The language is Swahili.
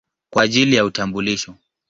kwa ajili ya utambulisho.